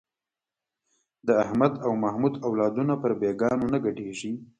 د احمد او محمود اولادونه پر بېګانو نه ګډېږي.